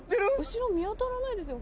後ろ見当たらないですよ。